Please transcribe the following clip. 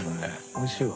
おいしいわ。